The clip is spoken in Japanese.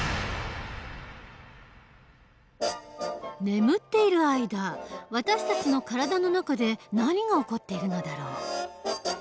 眠っている間私たちの体の中で何が起こっているのだろう？